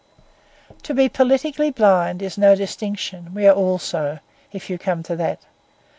To be politically blind is no distinction; we are all so, if you come to that.